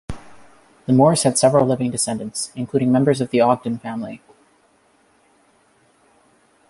The Moores had several living descendants, including members of the Ogden family.